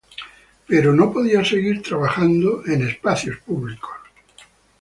Pero no podía seguir trabajando en espacios públicos.